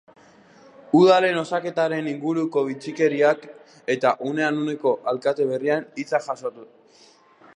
Udalen osaketaren inguruko bitxikeriak eta unean uneko alkate berrien hitzak jasota.